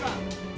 barang juga ganti